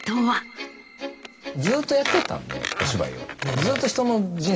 ずっとやってきたんでお芝居を。